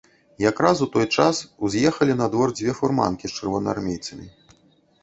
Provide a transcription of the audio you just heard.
Якраз у той час уз'ехалі на двор дзве фурманкі з чырвонаармейцамі.